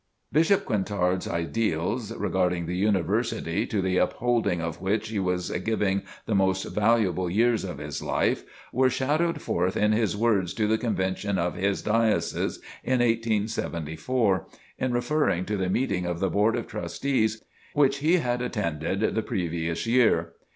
Bishop Quintard's ideals regarding the University to the upbuilding of which he was giving the most valuable years of his life, were shadowed forth in his words to the Convention of his Diocese in 1874, in referring to the meeting of the Board of Trustees which he had attended the previous year.